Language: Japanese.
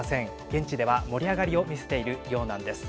現地では、盛り上がりを見せているようなんです。